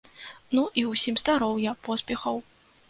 Ну і ўсім здароўя, поспехаў.